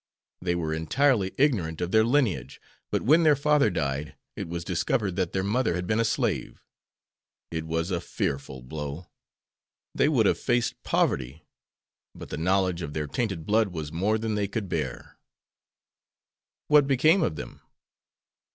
They were entirely ignorant of their lineage, but when their father died it was discovered that their mother had been a slave. It was a fearful blow. They would have faced poverty, but the knowledge of their tainted blood was more than they could bear." "What became of them?"